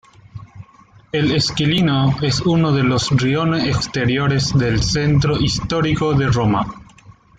El Esquilino es uno de los "rioni" exteriores del centro histórico de Roma.